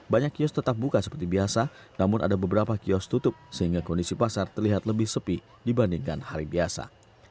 banyak kios tetap buka seperti biasa namun ada beberapa kios tutup sehingga kondisi pasar terlihat lebih sepi dibandingkan hari biasa